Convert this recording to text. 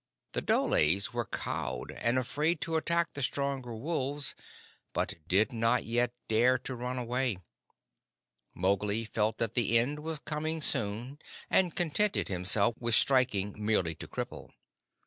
The dholes were cowed and afraid to attack the stronger wolves, but did not yet dare to run away. Mowgli felt that the end was coming soon, and contented himself with striking merely to cripple.